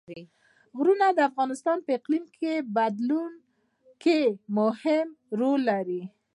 غرونه د افغانستان د اقلیم په بدلون کې مهم رول لري.